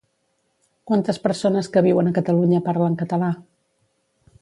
Quantes persones que viuen a Catalunya parlen català?